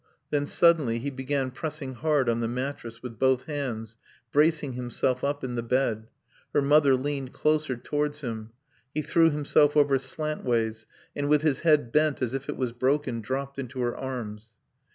Then suddenly he began pressing hard on the mattress with both hands, bracing himself up in the bed. Her mother leaned closer towards him. He threw himself over slantways, and with his head bent as if it was broken, dropped into her arms.